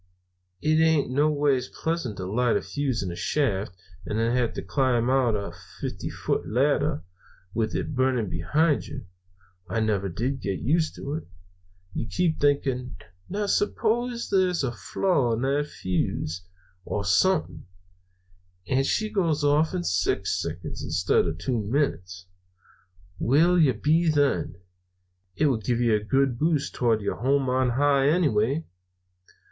"It ain't noways pleasant to light a fuse in a shaft, and then have to climb out a fifty foot ladder, with it burning behind you. I never did get used to it. You keep thinking, 'Now, suppose there's a flaw in that fuse, or something, and she goes off in six seconds instead of two minutes? Where'll you be then?' It would give you a good boost towards your home on high, anyway.